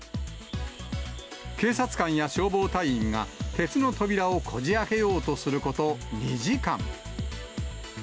警察官や消防隊員が鉄の扉をこじあけようとすること２時間。